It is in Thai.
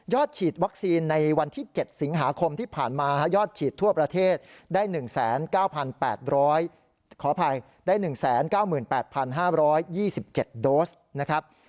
ยอดฉีดวัคซีนในวันที่๗สิงหาคมที่ผ่านมายอดฉีดทั่วประเทศได้๑๙๘๕๒๗โดสนะครับ